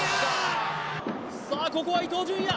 さあここは伊東純也